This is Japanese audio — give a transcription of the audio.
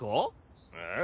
えっ？